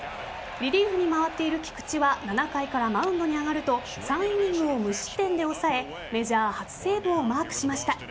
リリーフに回っている菊池は７回からマウンドに上がると３イニングを無失点で抑えメジャー初セーブをマークしました。